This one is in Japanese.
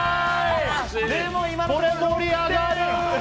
でも今ので盛り上がる！